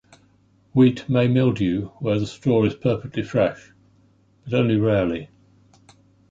Wheat may mildew where the straw is perfectly fresh, but only rarely.